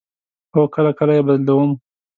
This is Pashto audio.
هو، کله کله یی بدلوم